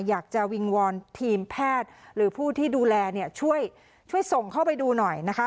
อยากจะวิงวอนทีมแพทย์หรือผู้ที่ดูแลเนี่ยช่วยช่วยส่งเข้าไปดูหน่อยนะคะ